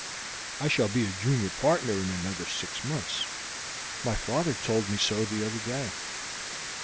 I shall be a junior partner in another six months; my father told me so the other day.